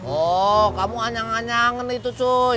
oh kamu anyang anyangan itu cuy